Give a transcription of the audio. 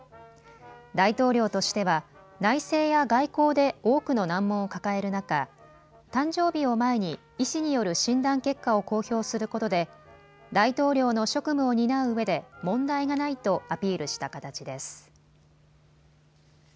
大統領としては内政や外交で多くの難問を抱える中、誕生日を前に医師による診断結果を公表することで大統領の職務を担ううえで問題がないとアピールした形です。